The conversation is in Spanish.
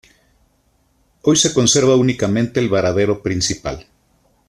Hoy se conserva únicamente el varadero principal.